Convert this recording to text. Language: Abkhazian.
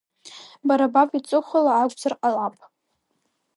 Бара баб иҵыхәала акәзар ҟалап…